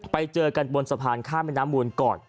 ไปเจอกันบนสะพานข้ามแม่น้ำมูลก่อน